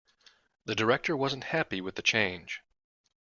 The director wasn't happy with the change.